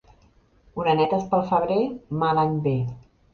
Orenetes pel febrer, mal any ve.